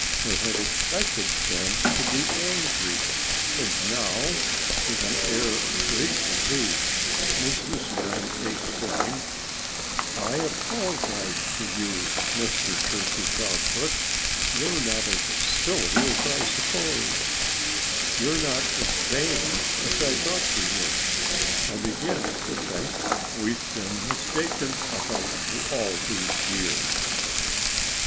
They had expected him to be angry. And now, with an air of great relief, Mrs. Wren exclaimed: "I apologize to you, Mr. Turkey Proudfoot. You're not as silly as I supposed. You're not as vain as I thought you were. I begin to think we've been mistaken about you all these years."